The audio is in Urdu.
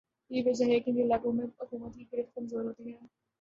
یہی وجہ ہے کہ جن علاقوں میں حکومت کی گرفت کمزور ہوتی ہے